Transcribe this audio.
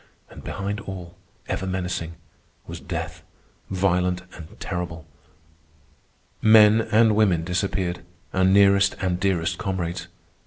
And behind all, ever menacing, was death, violent and terrible. Men and women disappeared, our nearest and dearest comrades.